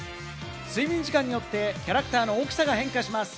睡眠時間によってキャラクターの大きさが変化します。